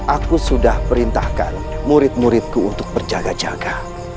aku sudah perintahkan murid muridku untuk berjaga jaga